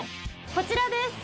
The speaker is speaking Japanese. こちらです。